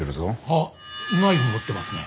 あっナイフ持ってますね。